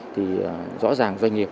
thì rõ ràng doanh nghiệp